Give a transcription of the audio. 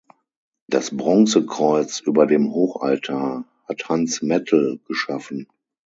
Das Bronzekreuz über dem Hochaltar hat Hans Mettel geschaffen.